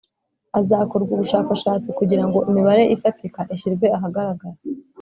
hazakorwa ubushakashatsi kugirango imibare ifatika ishyirwe ahagaragara